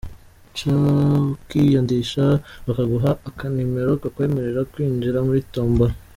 C ukiyandisha bakaguha akanimero kakwemerera kwinjira muri tombola.